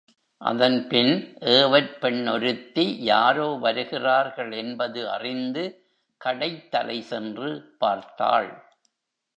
அதன்பின் ஏவற்பெண் ஒருத்தி யாரோ வருகிறார்கள் என்பது அறிந்து கடைத்தலை சென்று பார்த்தாள்.